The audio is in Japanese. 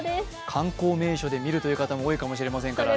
観光名所で見るという方も多いかもしれませんからね。